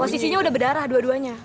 posisinya udah berdarah dua duanya